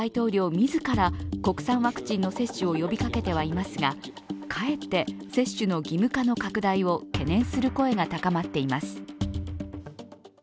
自ら国産ワクチンの接種を呼びかけてはいますがかえって接種の義務化の拡大を懸念する声が高まっています。